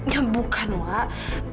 ya bukan wak